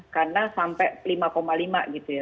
karena sampai lima lima gitu ya